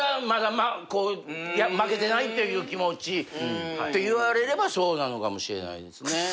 まだ負けてないっていう気持ちって言われればそうなのかもしれないですね。